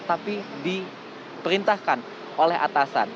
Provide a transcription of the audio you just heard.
ini diperintahkan oleh atasan